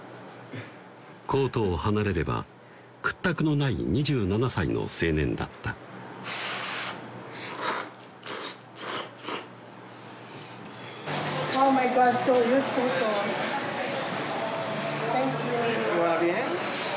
コートを離れれば屈託のない２７歳の青年だったサンキュー